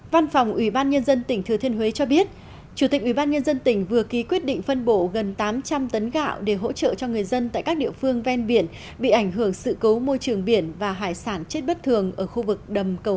văn phòng ủy ban nhân dân tỉnh thừa thiên huế cho biết chủ tịch ủy ban nhân dân tỉnh vừa ký quyết định phân bổ gần tám trăm linh tấn gạo để hỗ trợ cho người dân tại các địa phương ven biển bị ảnh hưởng sự cấu môi trường biển và hải sản chết bất thường ở khu vực đầm cầu hai